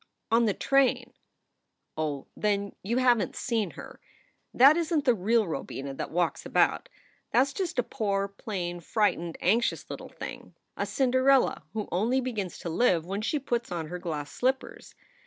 "On the train." "Oh, then you haven t seen her. That isn t the real Robina that walks about. That s just a poor, plain, fright ened, anxious little thing, a Cinderella who only begins to live when she puts on her glass slippers.